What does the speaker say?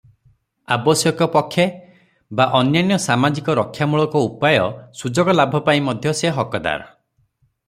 ଆବଶ୍ୟକ ପକ୍ଷେ ବା ଅନ୍ୟାନ୍ୟ ସାମାଜିକ ରକ୍ଷାମୂଳକ ଉପାୟ ସୁଯୋଗ ଲାଭ ପାଇଁ ମଧ୍ୟ ସେ ହକଦାର ।